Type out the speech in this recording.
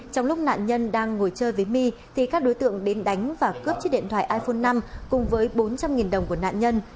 trong lúc nạn nhân đang ngồi chơi với my thì các đối tượng đến đánh và cướp chiếc điện thoại iphone năm cùng với bốn trăm linh đồng của nạn nhân